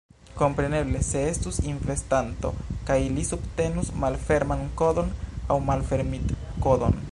Kompreneble, se estus investanto kaj li subtenus malferman kodon aŭ malfermitkodon